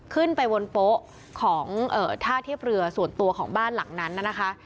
ขึ้นไปบนโป๊ะของท่าเทียบเรือส่วนตัวของบ้านหลังนั้นน่ะนะคะ